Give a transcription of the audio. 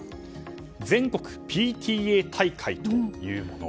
全国ＰＴＡ大会というもの。